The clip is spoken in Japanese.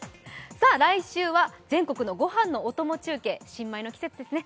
来週は全国のご飯のお供中継新米の季節ですね。